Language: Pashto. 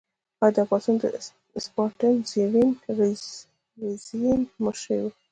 دا پاڅون د اسټپان رزین په مشرۍ و.